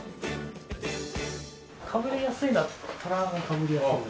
かぶりやすいのはトラがかぶりやすい。